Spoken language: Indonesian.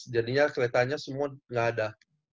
jadinya keretanya semua nggak ada